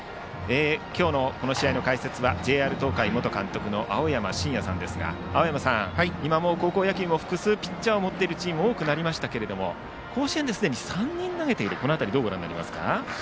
今日のこの試合の解説はＪＲ東海元監督の青山眞也さんですが青山さん、今は高校野球も複数ピッチャーを持っているチームが多くなりましたが甲子園ですでに３人投げている辺りどうご覧になりますか？